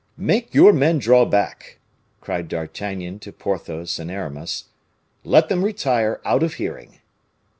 "Make your men draw back," cried D'Artagnan to Porthos and Aramis; "let them retire out of hearing."